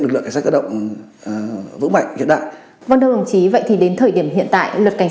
lực lượng cảnh sát cơ động vững mạnh hiện đại vâng thưa đồng chí vậy thì đến thời điểm hiện tại luật cảnh